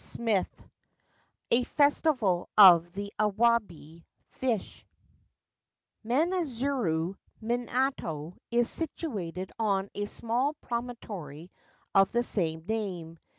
340 LV A FESTIVAL OF THE AWABI FISH MANAZURU MINATO is situated on a small promontory of the same name.